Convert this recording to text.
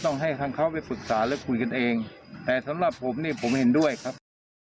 ต้องให้ทางเขาไปปรึกษาและคุยกันเองแต่สำหรับผมนี่ผมเห็นด้วยครับ